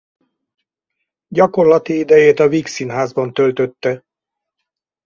Gyakorlati idejét a Vígszínházban töltötte.